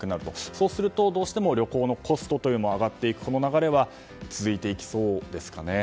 そうするとどうしても旅行のコストも上がっていく、この流れは続いていきそうですかね。